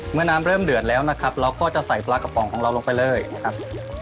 น้ำเริ่มเดือดแล้วนะครับเราก็จะใส่ปลากระป๋องของเราลงไปเลยนะครับ